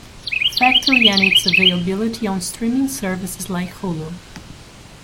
Factory and its availability on streaming services like Hulu.